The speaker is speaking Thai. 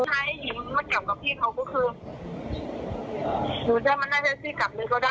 ถ้าอายหญิงมากลับกับพี่เขาก็คือหนูจะมันได้เท่าที่กลับเลยก็ได้